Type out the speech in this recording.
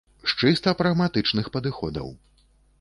З чыста прагматычных падыходаў.